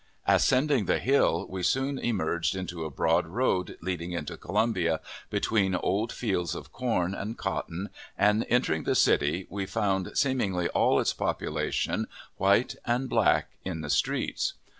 Ascending the hill, we soon emerged into a broad road leading into Columbia, between old fields of corn and cotton, and, entering the city, we found seemingly all its population, white and black, in the streets.